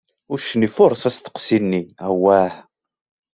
Uccen ifuṛes asteqsi-nni: Awah!